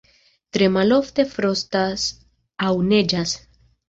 Tre malofte frostas aŭ neĝas.